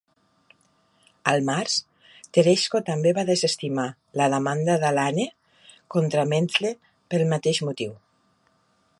Al març, Tereshko també va desestimar la demanda de Lane contra Mendte pel mateix motiu.